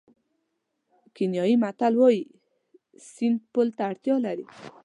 کینیايي متل وایي سیند پل ته اړتیا لري.